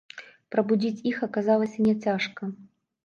Прабудзіць іх аказалася няцяжка.